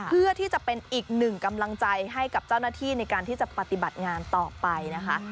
เพื่อที่จะเป็นอีกหนึ่งกำลังใจให้กับเจ้าหน้าที่ในการที่จะปฏิบัติงานต่อไปนะคะ